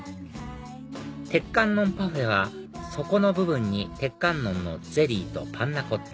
鉄観音パフェは底の部分に鉄観音のゼリーとパンナコッタ